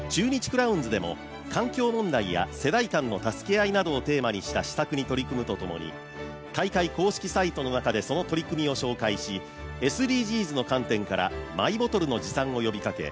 クラウンズでも環境問題や世代間の助け合いなどをテーマにした施策に取り組むとともに大会公式サイトの中でその取り組みを紹介しＳＤＧｓの観点からマイボトルの持参を呼びかけ